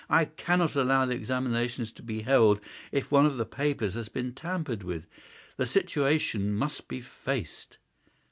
I cannot allow the examination to be held if one of the papers has been tampered with. The situation must be faced."